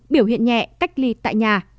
biểu hiện nhẹ cách ly tại nhà